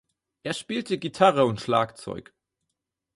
Er spielte Gitarre und Schlagzeug.